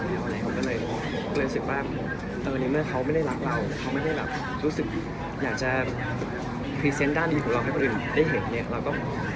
ผมก็เลยสึกว่าตอนนี้เขาไม่ได้รักเราเขาไม่ได้รู้สึกอยากจะพรีเซนต์ด้านดีของเราให้คนอื่นได้เห็น